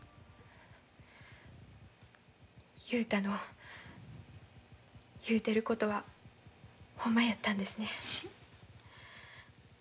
雄太の言うてることはほんまやったんですね。